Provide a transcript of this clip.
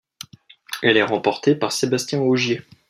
Elle est remportée par Sébastien Ogier.